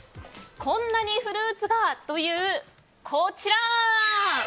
こんなにフルーツが、こちら！